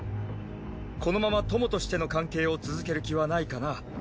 このまま友としての関係を続ける気はないかな？